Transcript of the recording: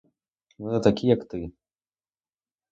Вони такі, як ти.